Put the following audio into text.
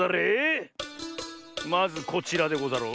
まずこちらでござろう。